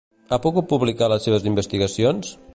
Ha pogut publicar les seves investigacions?